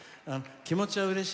気持ちはうれしい。